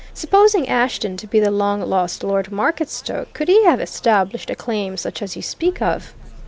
Supposing Ashton to be the long lost Lord Marketstoke could he have established a claim such as you speak of?"